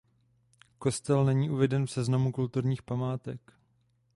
Kostel není uveden v seznamu kulturních památek.